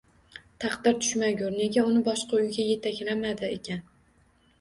Taqdiri tushmagur, nega uni boshqa uyga yetaklamadi ekan?